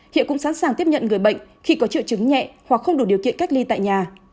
hiện cũng sẵn sàng tiếp nhận người bệnh khi có triệu chứng nhẹ hoặc không đủ điều kiện cách ly tại nhà